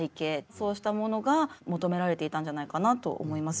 そうしたものが求められていたんじゃないかなと思います。